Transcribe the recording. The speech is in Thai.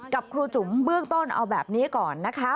กับครูจุ๋มเบื้องต้นเอาแบบนี้ก่อนนะคะ